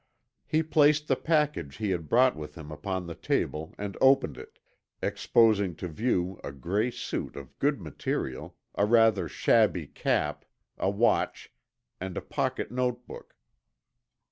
He placed the package he had brought with him upon the table and opened it, exposing to view a gray suit of good material, a rather shabby cap, a watch, and a pocket notebook.